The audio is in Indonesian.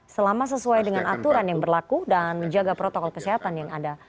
selama sesuai dengan aturan yang berlaku dan menjaga protokol kesehatan yang ada